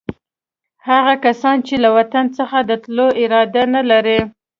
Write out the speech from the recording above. هغه کسان چې له وطن څخه د تللو اراده نه لري.